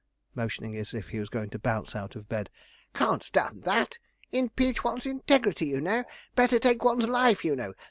motioning as if he was going to bounce out of bed; 'can't stand that impeach one's integrity, you know, better take one's life, you know.